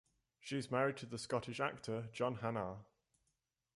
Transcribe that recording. She is married to the Scottish actor John Hannah.